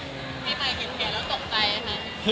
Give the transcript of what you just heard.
พี่ม่ายเห็นเขียวนะตกใจค่ะ